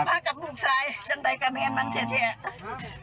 มากับลูกซ้ายจังใดกะเมียนมันเทียดเทียด